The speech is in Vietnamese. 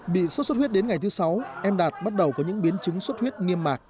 bị sốt xuất huyết đến ngày thứ sáu em đạt bắt đầu có những biến chứng xuất huyết nghiêm mạc